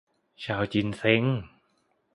ชาวจีนเซ็ง !